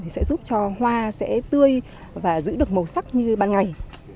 sẽ giúp cho hoa sẽ tươi và giữ được màu sắc như ban ngày